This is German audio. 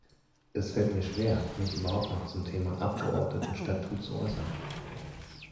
Es fällt mir schwer, mich überhaupt noch zum Thema Abgeordnetenstatut zu äußern.